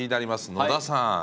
野田さん